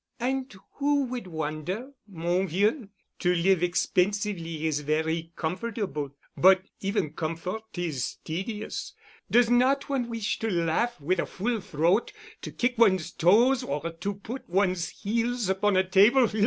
"And who would wonder, mon vieux! To live expensively is very comfortable, but even comfort is tedious. Does not one wish to laugh with a full throat, to kick one's toes or to put one's heels upon a table?